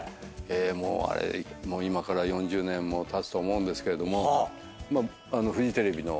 もうあれ今から４０年もたつと思うんですけれども。